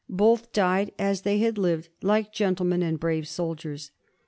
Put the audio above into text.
Both died, as they had lived, like gentlemen and brave soldiers.